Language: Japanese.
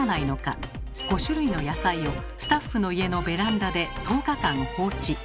５種類の野菜をスタッフの家のベランダで１０日間放置。